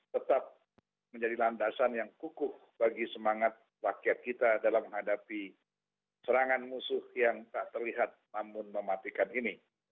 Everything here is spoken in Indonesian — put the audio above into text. tetap menjadi landasan yang kukuh bagi semangat rakyat kita dalam menghadapi serangan musuh yang tak terlihat namun mematikan ini